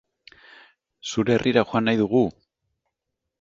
Zure herrira joan nahi dugu!